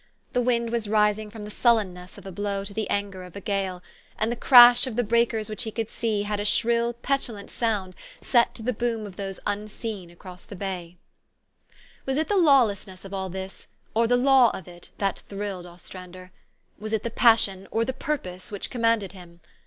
The wind was rising from the sullenness of a blow to the anger of a gale ; and the crash of the breakers which he could see had a shrill, petu lant sound set to the boom of those unseen across the bay. THE STORY OF AVIS. 77 Was it the lawlessness of all this, or the law of it, that thrilled Ostrander? Was it the passion, or the purpose, which commanded him?